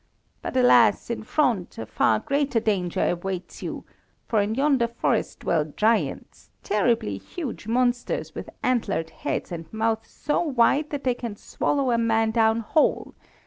But, alas! in front a far greater danger awaits you, for in yonder forest dwell giants, terribly huge monsters with antlered heads and mouths so wide that they can swallow a man down whole.